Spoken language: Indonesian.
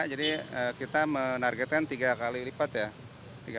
jadi kita menargetkan tiga kali lipat ya